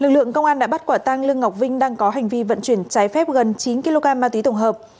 lực lượng công an đã bắt quả tăng lương ngọc vinh đang có hành vi vận chuyển trái phép gần chín kg ma túy tổng hợp